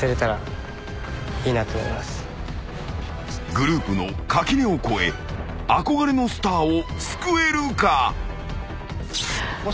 ［グループの垣根を越え憧れのスターを救えるか？］